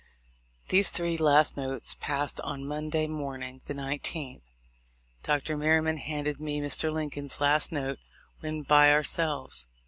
These three last notes passed on Monday morning, the 19th. Dr. Merry man handed me Mr. Lincoln's last note when by ourselves.